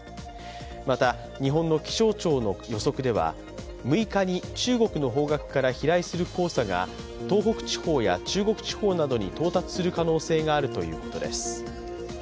また、日本の気象庁の予測では６日に中国の方角から飛来する黄砂が東北地方や中国地方などに到達する可能性があるということです。